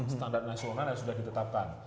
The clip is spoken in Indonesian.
standar nasional yang sudah ditetapkan